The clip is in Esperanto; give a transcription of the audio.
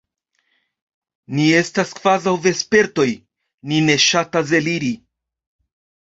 Ni estas kvazaŭ vespertoj: ni ne ŝatas eliri.